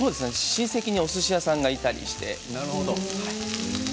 親戚におすし屋さんがいたりして。